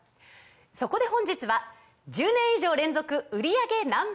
そこで本日は１０年以上連続売り上げＮｏ．１